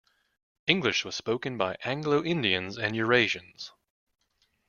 English was spoken by Anglo-Indians and Eurasians.